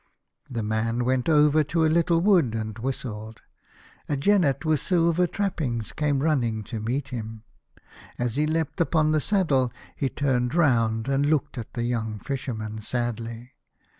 The man went over to a little wood, and whistled. A jennet with silver trappings came running to meet him. As he leapt upon the saddle he turned round, and looked at the young Fisher man sadly.